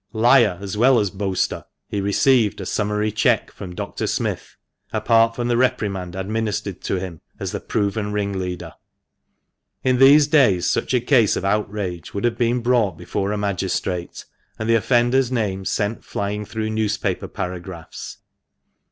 Liar as well as boaster, he received a summary check from Dr. Smith, apart from the reprimand administered to him as the proven ring leader. In these days such a case of outrage would have been brought before a magistrate, and the offenders' names sent flying through newspaper paragraphs.